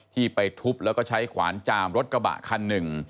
ที่ไปทุบแล้วก็ใช้ขวานจามรถกระบะคันหนึ่ง